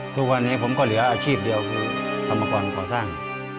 ทุกวันนี้ผมก็เหลืออาชีพเดียวคือกรรมกรก่อสร้าง